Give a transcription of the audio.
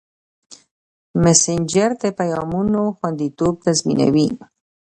مسېنجر د پیغامونو خوندیتوب تضمینوي.